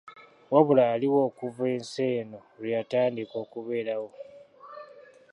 Wabula yaliwo okuva ensi eno lweyatandika okubeerawo.